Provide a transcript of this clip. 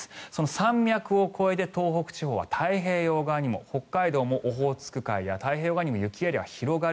山脈を越えて東北地方は太平洋側にも北海道もオホーツク海や太平洋側にも雪エリアが広がる。